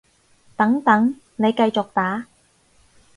等等，你繼續打